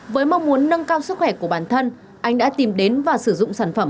với mong muốn nâng cao sức khỏe của bản thân anh đã tìm đến và sử dụng sản phẩm